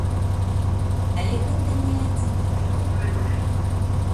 Але гэта не адзіны паток.